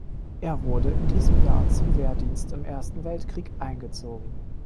Er wurde in diesem Jahr zum Wehrdienst im Ersten Weltkrieg eingezogen.